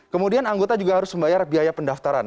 kemudian anggota juga harus membayar biaya pendaftaran